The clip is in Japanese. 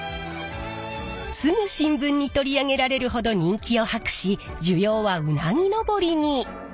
すぐ新聞に取り上げられるほど人気を博し需要はうなぎ登りに！